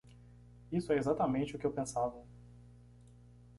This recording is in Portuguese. Isso é exatamente o que eu pensava.